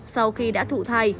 sau khi đã thụ thai